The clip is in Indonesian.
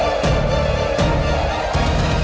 aku akan menikah denganmu